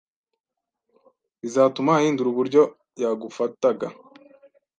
bizatuma ahindura uburyo yagufataga